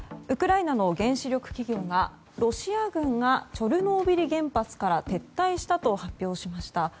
ウクライナの原子力企業がロシア軍がチョルノービリ原発から撤退したと発表しました。